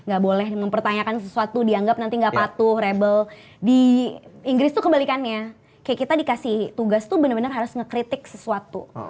gak boleh mempertanyakan sesuatu dianggap nanti gak patuh rebel di inggris tuh kebalikannya kayak kita dikasih tugas tuh bener bener harus ngekritik sesuatu